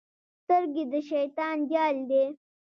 سترګې د شیطان جال دی.